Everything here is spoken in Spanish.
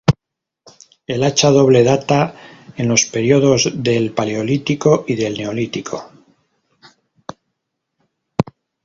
El hacha doble data en los períodos del paleolítico y del neolítico.